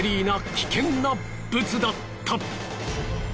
危険なブツだった。